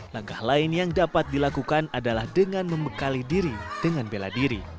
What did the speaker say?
langkah lain yang dapat dilakukan adalah dengan membekali diri dengan bela diri